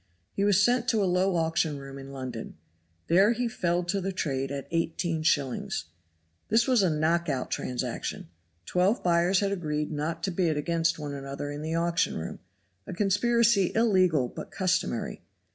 He was sent to a low auction room in London. There he fell to the trade at 18s. This was a "knock out" transaction; twelve buyers had agreed not to bid against one another in the auction room, a conspiracy illegal but customary.